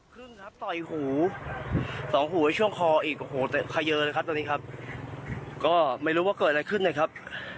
เป็นวิธีใดครับอุ้ยที่จะไม่ให้พึงตามครับ